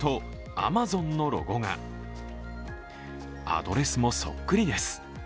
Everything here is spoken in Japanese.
アドレスもそっくりです。